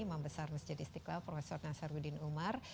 membesar mesjidistik law prof nasarudin umar